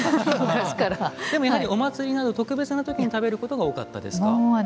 でもやはりお祭りなど特別な時に食べることが多かったですか？